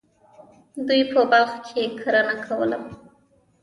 دوی په بلخ کې کرنه کوله.